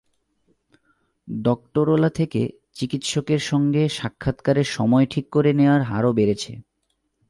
ডক্টরোলা থেকে চিকিৎসকের সঙ্গে সাক্ষাৎকারের সময় ঠিক করে নেওয়ার হারও বেড়েছে।